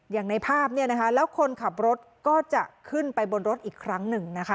อย่างในภาพเนี่ยนะคะแล้วคนขับรถก็จะขึ้นไปบนรถอีกครั้งหนึ่งนะคะ